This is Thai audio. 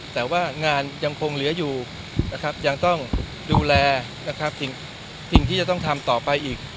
แต่ว่างานยังคงเหลืออยู่นะครับยังต้องดูแลนะครับสิ่งที่จะต้องทำต่อไปอีก